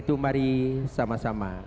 tentu mari sama sama